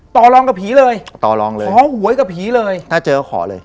ต่อรองกับผีเลยขอหวยกับผีเลยถ้าเจอขอเลย